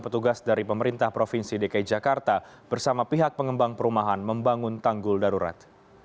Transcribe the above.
petugas dari pemerintah provinsi dki jakarta bersama pihak pengembang perumahan membangun tanggul darurat